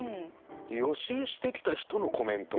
予習してきた人のコメント。